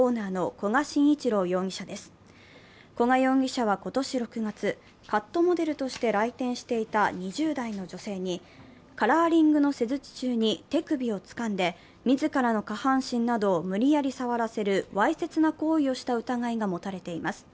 古賀容疑者は今年６月、カットモデルとして来店していた２０代の女性に、カラーリングの施術中に手首をつかんで、自らの下半身などを無理やり触らせるわいせつな行為をした疑いが持たれています。